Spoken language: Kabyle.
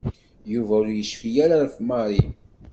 Yuba ur yecfi ara ɣef Mary.